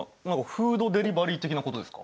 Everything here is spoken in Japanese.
フードデリバリー的なことですか？